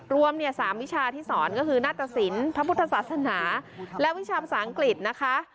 รวม๓วิชาที่สอนก็คือนาตสินพระพุทธศาสนาและวิชาภาษาอังกฤษนะคะ